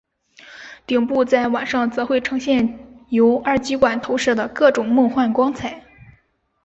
顶部在晚上则会呈现由二极管投射的各种梦幻光彩。